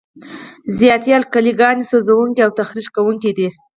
زیاتې القلي ګانې سوځونکي او تخریش کوونکي دي.